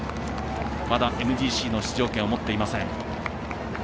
まだＭＧＣの出場権を持っていません。